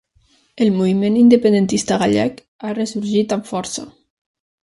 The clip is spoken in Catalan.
El moviment independentista gallec ha ressorgit amb força.